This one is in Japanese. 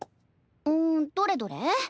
うんどれどれ？